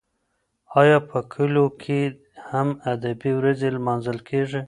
ایا په کلو کې هم ادبي ورځې لمانځل کیږي؟